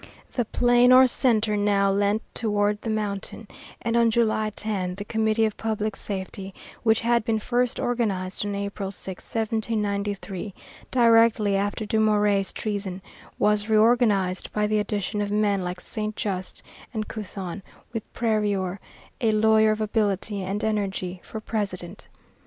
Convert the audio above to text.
The Plain or Centre now leant toward the Mountain, and, on July 10, the Committee of Public Safety, which had been first organized on April 6, 1793, directly after Dumouriez's treason, was reorganized by the addition of men like Saint Just and Couthon, with Prieur, a lawyer of ability and energy, for President.